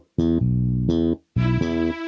nanti gue nunggu